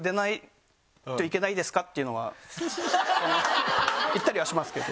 っていうのは言ったりはしますけど。